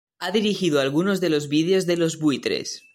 Ha dirigido algunos de los videos de los Buitres.